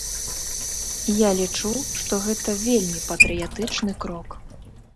Я лічу, што гэта вельмі патрыятычны крок.